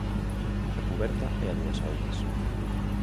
A cuberta é a dúas augas.